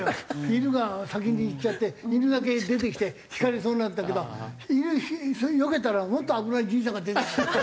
犬が先に行っちゃって犬だけ出てきてひかれそうになったけどそれよけたらもっと危ないじいさんが出てきた。